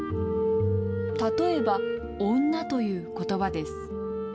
例えば、女ということばです。